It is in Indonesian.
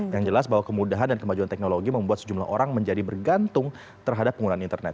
yang jelas bahwa kemudahan dan kemajuan teknologi membuat sejumlah orang menjadi bergantung terhadap penggunaan internet